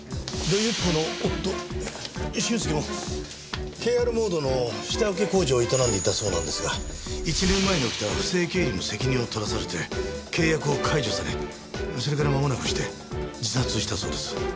土井由紀子の夫俊介もＫＲｍｏｄｅの下請け工場を営んでいたそうなんですが１年前に起きた不正経理の責任を取らされて契約を解除されそれから間もなくして自殺したそうです。